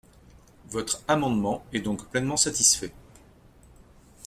» Votre amendement est donc pleinement satisfait.